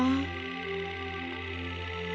aku minta maaf banget